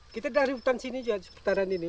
kita dari hutan sini juga seputaran ini